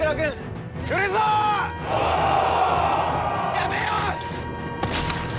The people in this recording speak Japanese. やめよ！